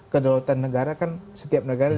kedaulatan negara kan setiap negara